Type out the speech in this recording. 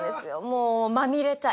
もうまみれたい。